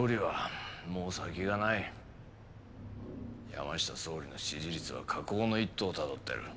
山下総理の支持率は下降の一途をたどっている。